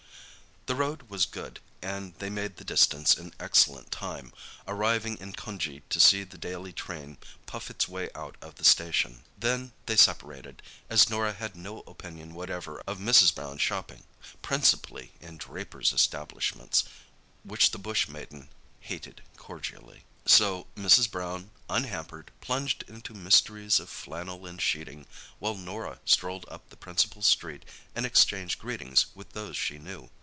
The road was good and they made the distance in excellent time, arriving in Cunjee to see the daily train puff its way out of the station. Then they separated, as Norah had no opinion whatever of Mrs. Brown's shopping—principally in drapers' establishments, which this bush maiden hated cordially. So Mrs. Brown, unhampered, plunged into mysteries of flannel and sheeting, while Norah strolled up the principal street and exchanged greetings with those she knew.